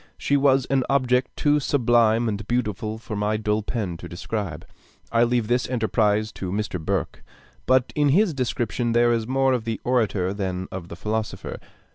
She was an object too sublime and beautiful for my dull pen to describe. I leave this enterprise to Mr. Burke. But in his description, there is more of the orator than of the philosopher.